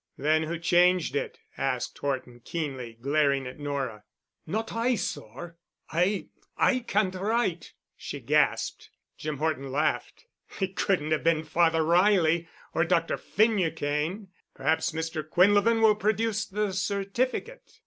"Then who changed it?" asked Horton keenly, glaring at Nora. "Not I, sor. I—I can't write," she gasped. Jim Horton laughed. "It couldn't have been Father Reilly, or Dr. Finucane. Perhaps Mr. Quinlevin will produce the certificate."